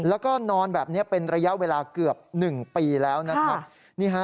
แล้วก็นอนแบบนี้เป็นระยะเวลาเกือบ๑ปีแล้วนะครับ